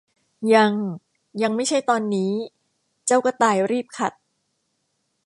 ยัง ยังไม่ใช่ตอนนี้ เจ้ากระต่ายรีบขัด